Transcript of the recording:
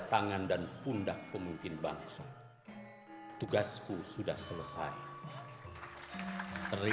padang dengan rohani